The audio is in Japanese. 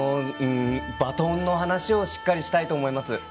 バトンの話をしっかりしたいと思います。